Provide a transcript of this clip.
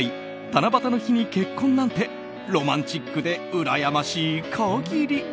七夕の日に結婚なんてロマンチックでうらやましい限り。